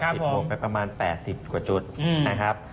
ครับผมปิดบวกไปประมาณ๘๐กว่าจุดนะครับ